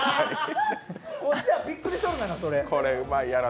こっちはびっくりしとるがな。